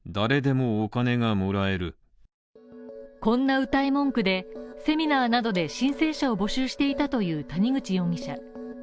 こんなうたい文句で、セミナーなどで申請者を募集していたという谷口容疑者。